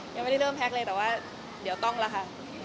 ยังไม่ได้เริ่มแพ็คเลยแต่ว่าเดี๋ยวต้องล่ะค่ะ